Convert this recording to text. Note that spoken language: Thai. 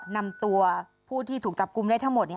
นำตัวผู้ที่ถูกจับกลุ่มได้ทั้งหมด